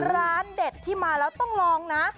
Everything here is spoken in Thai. เด็ดที่มาแล้วต้องลองนะ